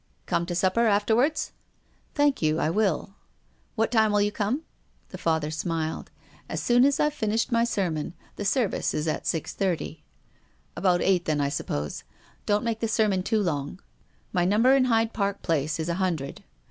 " Come to supper afterwards? "" Thank you. I will." " What time will you come ?" The Father smiled. " As soon as I have finished my sermon. The service is at six thirty." " About eight then, I suppose. Don't make the sermon too long. My number in Hyde Park Place is a hundred.